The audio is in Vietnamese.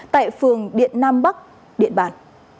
tại phường điện nam bắc điện bàn